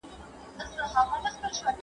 د شکایتونو اوریدلو کمیسیون څه کوي؟